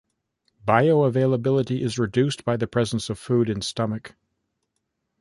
Bioavailability is reduced by presence of food in stomach.